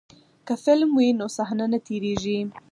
که فلم وي نو صحنه نه تیریږي.